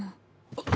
あっ。